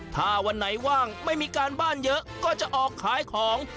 ถ้าวันไหนว่างไม่มีการบ้านเยอะก็จะออกขายของ